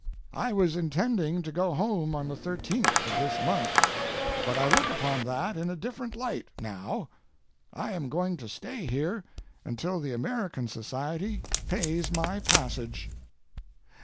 I was intending to go home on the 13th of this month, but I look upon that in a different light now. I am going to stay here until the American Society pays my passage.